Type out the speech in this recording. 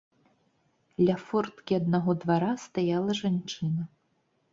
Ля форткі аднаго двара стаяла жанчына.